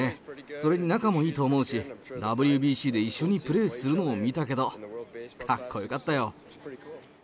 それに仲もいいと思うし、ＷＢＣで一緒にプレーするのを見たけど、かっこよかったよ。